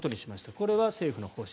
これは政府の方針。